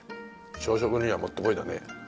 朝食にはもってこいだね。